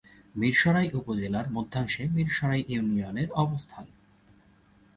মীরসরাই উপজেলার মধ্যাংশে মীরসরাই ইউনিয়নের অবস্থান।